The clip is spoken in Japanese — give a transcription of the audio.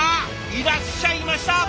いらっしゃいました！